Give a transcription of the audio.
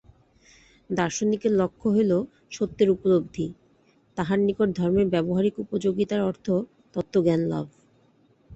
দার্শনিকের লক্ষ্য হইল সত্যের উপলব্ধি, তাঁহার নিকট ধর্মের ব্যবহারিক উপযোগিতার অর্থ তত্ত্বজ্ঞানলাভ।